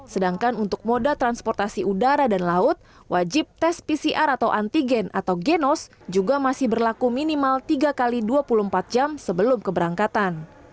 sedangkan untuk moda transportasi udara dan laut wajib tes pcr atau antigen atau genos juga masih berlaku minimal tiga x dua puluh empat jam sebelum keberangkatan